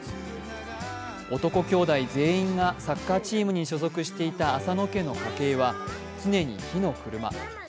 男兄弟全員がサッカーチームに所属していた浅野家の家計は常に火の車。